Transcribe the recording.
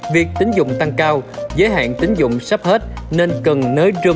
việc tính dụng tăng cao giới hạn tính dụng sắp hết nên cần nới râm